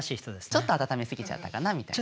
ちょっと温め過ぎちゃったかなみたいな。